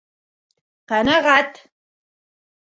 Ҡәнәғәт.